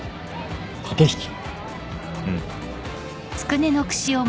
うん。